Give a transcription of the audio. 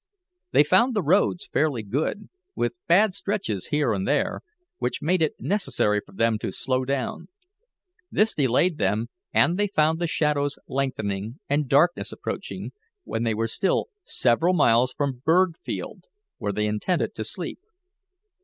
They found the roads fairly good, with bad stretches here and there, which made it necessary for them to slow down. This delayed them, and they found the shadows lengthening, and darkness approaching, when they were still several miles from Burgfield, where they intended to sleep.